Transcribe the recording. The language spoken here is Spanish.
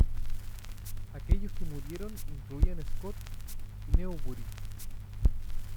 Aquellos que murieron incluían a Scott y Newbury.